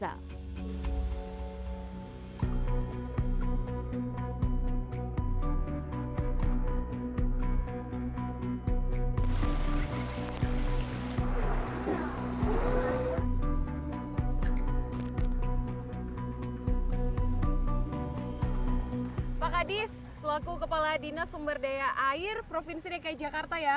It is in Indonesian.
pak hadis selaku kepala dinas sumber daya air provinsi dki jakarta ya